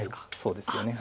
そうですよね。